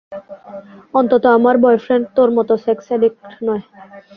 অন্তত আমার বয়ফ্রেন্ড তোর মত সেক্স এডিক্ট নয়।